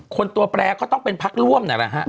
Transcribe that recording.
ตัวแปรก็ต้องเป็นพักร่วมนั่นแหละฮะ